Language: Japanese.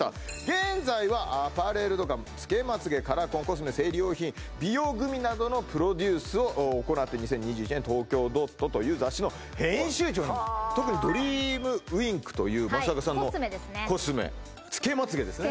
現在はアパレルとかつけまつげカラコンコスメ生理用品美容グミなどのプロデュースを行って２０２１年「ＴＯＫＹＯＤＯＴ」という雑誌の編集長に特にＤＯＬＬＹＷＩＮＫという益若さんのはいコスメですねコスメつけまつげですね